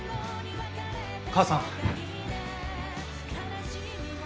母さん。